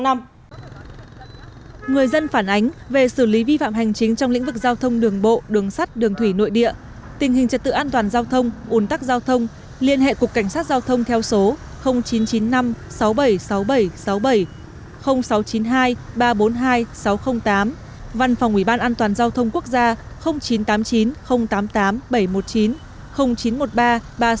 người dân phản ánh về xử lý vi phạm hành chính trong lĩnh vực giao thông đường bộ đường sắt đường thủy nội địa tình hình trật tự an toàn giao thông ổn tắc giao thông liên hệ cục cảnh sát giao thông theo số chín trăm chín mươi năm sáu mươi bảy sáu mươi bảy sáu mươi bảy sáu trăm chín mươi hai ba trăm bốn mươi hai sáu trăm linh tám văn phòng ủy ban an toàn giao thông quốc gia chín trăm tám mươi chín tám mươi tám bảy trăm một mươi chín chín trăm một mươi ba ba trăm sáu mươi ba năm trăm linh chín chín trăm ba mươi sáu một trăm bảy mươi ba chín trăm linh sáu